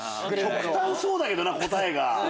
極端そうだけどな答えが。